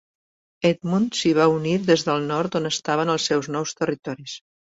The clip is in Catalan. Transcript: Edmund s'hi va unir des del nord, on estaven els seus nous territoris.